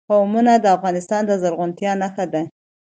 قومونه د افغانستان د زرغونتیا نښه ده.